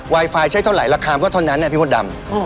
ไวไฟใช้เท่าไหร่รักษามก็เท่านั้นพี่พ่อดำ